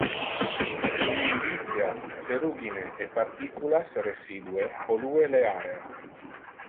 Immunditia, ferrugine e particulas residue pollue le area.